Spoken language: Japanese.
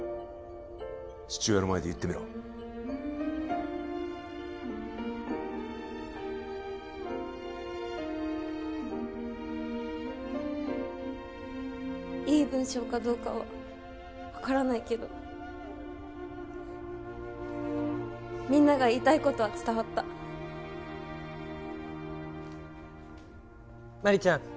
父親の前で言ってみろいい文章かどうかは分からないけどみんなが言いたいことは伝わった麻里ちゃん